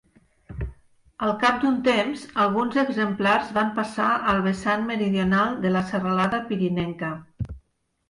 Al cap d'un temps, alguns exemplars van passar al vessant meridional de la serralada pirinenca.